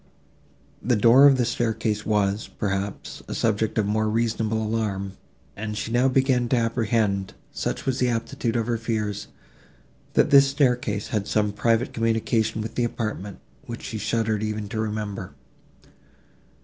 The door of the staircase was, perhaps, a subject of more reasonable alarm, and she now began to apprehend, such was the aptitude of her fears, that this staircase had some private communication with the apartment, which she shuddered even to remember.